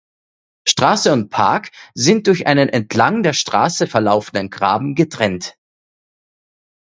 Straße und Park sind durch einen entlang der Straße verlaufenden Graben getrennt.